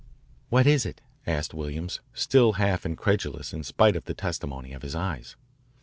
"What is it?" asked Williams, still half incredulous in spite of the testimony of his eyes.